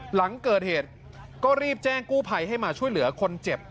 หลังเกิดเหตุก็รีบแจ้งกู้ภัยให้มาช่วยเหลือคนเจ็บ